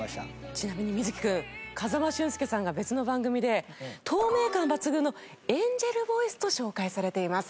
ちなみに瑞稀くん風間俊介さんが別の番組で「透明感抜群のエンジェルボイス」と紹介されています。